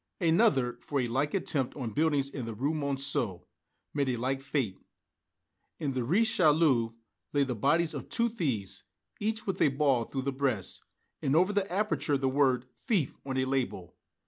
Another, for a like attempt on buildings in the Rue Monceau, met a like fate. In the Rue Richelieu lay the bodies of two thieves, each with a ball through the breast, and over the aperture the word "Thief" on a label.